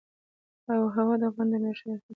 آب وهوا د افغانانو د معیشت یوه سرچینه ده.